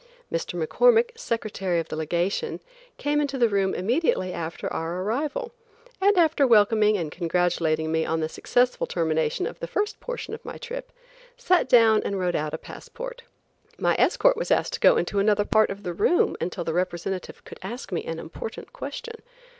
Mr. McCormick, Secretary of the Legation, came into the room immediately after our arrival, and after welcoming and congratulating me on the successful termination of the first portion of my trip, sat down and wrote out a passport. My escort was asked to go into another part of the room until the representative could ask me an important question.